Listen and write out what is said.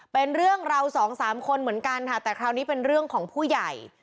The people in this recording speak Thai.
เป็นเรื่องเราสองสามคนเหมือนกันค่ะแต่คราวนี้เป็นเรื่องของผู้ใหญ่